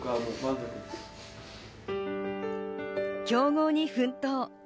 強豪に奮闘。